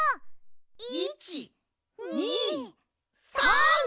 １２３！